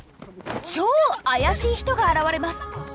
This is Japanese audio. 超怪しい人が現れます。